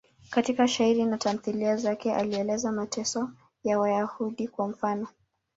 Katika mashairi na tamthiliya zake alieleza mateso ya Wayahudi, kwa mfano.